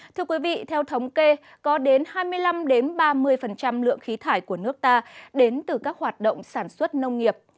thưa quý vị theo thống kê có đến hai mươi năm ba mươi lượng khí thải của nước ta đến từ các hoạt động sản xuất nông nghiệp